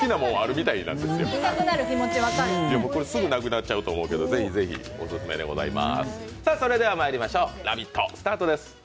これ、すぐなくなっちゃうと思うけど、ぜひぜひオススメでございます。